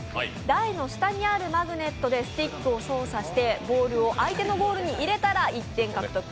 台の下にあるマグネットでスティックを操作してボールを相手のゴールに入れたら１点獲得。